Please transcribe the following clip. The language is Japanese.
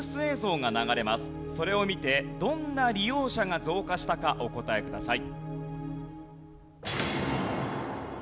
それを見てどんな利用者が増加したかお答えください。